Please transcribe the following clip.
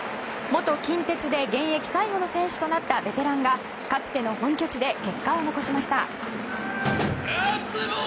元近鉄で現役最後の選手となったベテランがかつての本拠地で結果を残しました。